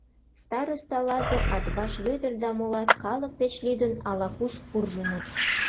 Староста Лазыр, Атбаш Вӧдыр да молат, калык деч лӱдын, ала-куш куржыныт.